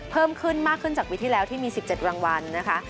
เพิ่มขึ้นมากขึ้นจากปีที่แล้วที่มี๑๗รางวัลนะคะ